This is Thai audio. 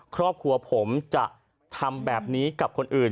ครอบครัวผมจะทำแบบนี้กับคนอื่น